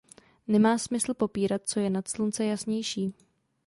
Nemá smysl popírat, co je nad slunce jasnější.